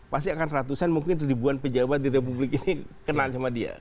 pasti akan ratusan mungkin ribuan pejabat di republik ini kenal sama dia